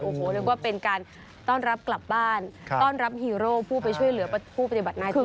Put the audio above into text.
โอ้โหเรียกว่าเป็นการต้อนรับกลับบ้านต้อนรับฮีโร่ผู้ไปช่วยเหลือผู้ปฏิบัติหน้าที่